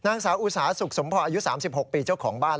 นางสาวอุสาสุขสมพรอายุ๓๖ปีเจ้าของบ้าน